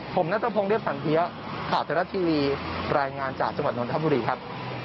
ผมนัทพงศ์เรียบสันเทียข่าวไทยรัฐทีวีรายงานจากจังหวัดนทบุรีครับ